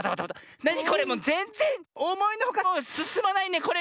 なにこれもうぜんぜんおもいのほかすすまないねこれねって。